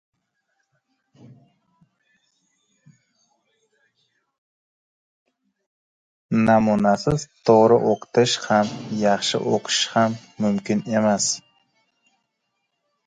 Namunasiz to‘g‘ri o‘qitish ham, yaxshi o‘qish ham mumkin emas.